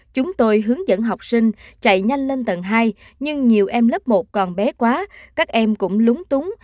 chúng tôi hướng dẫn học sinh chạy nhanh lên tầng hai nhưng nhiều em lớp một còn bé quá các em cũng lúng túng